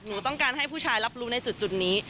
หนูต้องการให้ผู้ชายรับรู้ในจุดนี้